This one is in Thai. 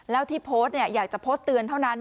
แล้วที่โพสต์อยากจะโพสต์เตือนเท่านั้น